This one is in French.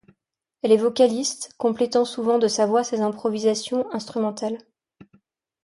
Elle est vocaliste, complétant souvent de sa voix ses improvisations instrumentales.